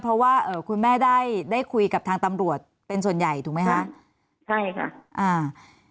เพราะว่าเอ่อคุณแม่ได้ได้คุยกับทางตำรวจเป็นส่วนใหญ่ถูกไหมคะใช่ค่ะอ่า